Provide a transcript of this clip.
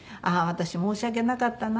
私申し訳なかったな。